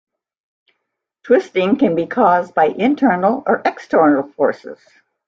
Twisting can be caused by internal or external forces.